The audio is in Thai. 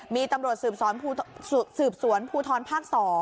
มีตำรวจสืบสวนภูทรภาค๒